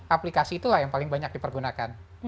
aplikasi itulah yang paling banyak dipergunakan